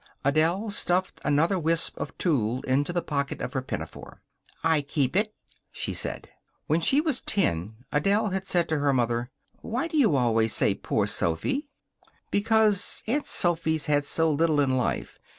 Adele stuffed another wisp of tulle into the pocket of her pinafore. "I keep it," she said. When she was ten Adele had said to her mother, "Why do you always say 'Poor Sophy'?" "Because Aunt Sophy's had so little in life.